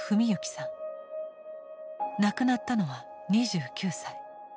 亡くなったのは２９歳。